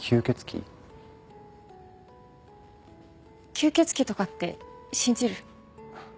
吸血鬼とかって信じる？